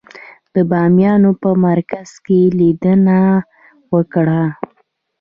د بامیانو په مرکز کې لیدنه وکړه.